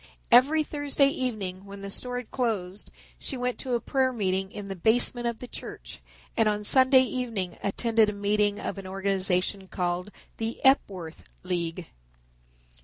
Every Thursday evening when the store had closed she went to a prayer meeting in the basement of the church and on Sunday evening attended a meeting of an organization called The Epworth League.